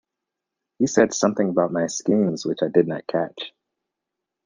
He said something about my schemes which I did not catch.